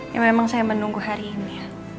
ya memang saya menunggu hari ini ya